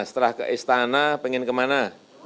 setelah ke istana pengen kemana